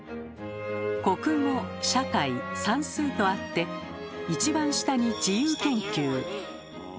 「国語」「社会」「算数」とあって一番下に「自由研究」。